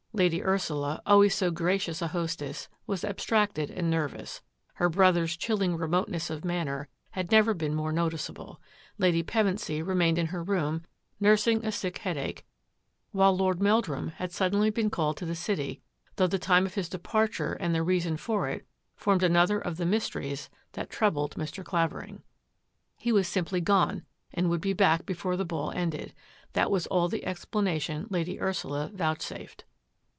Lady Ursula, al ways so gracious a hostess, was abstracted and nervous ; her brother's chilling remoteness of man ner had never been more noticeable ; Lady Pevensy remained in her room nursing a sick headache; while Lord Meldrum had suddenly been called to the city, though the time of his departure and the reason for it formed another of the mysteries that troubled Mr. Clavering. He was simply gone, and would be back before the ball ended; that was all the explanation Lady Ursula vouch safed.